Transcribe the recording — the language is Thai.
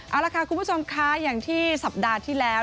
เอาล่ะค่ะคุณผู้ชมค่ะอย่างที่สัปดาห์ที่แล้ว